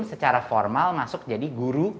secara formal masuk jadi guru